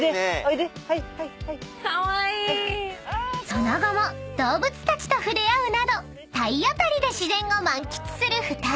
［その後も動物たちと触れ合うなど体当たりで自然を満喫する２人］